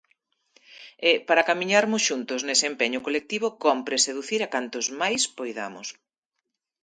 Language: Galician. E, para camiñarmos xuntos nese empeño colectivo, cómpre seducir a cantos máis poidamos.